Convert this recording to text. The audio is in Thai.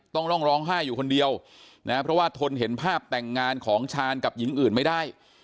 ต้องร้องร้องไห้อยู่คนเดียวนะเพราะว่าทนเห็นภาพแต่งงานของชาญกับหญิงอื่นไม่ได้